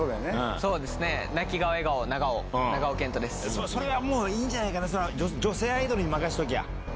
そうですね、泣き顔笑顔、長尾、それがもういいんじゃないかな、女性アイドルに任せとけば。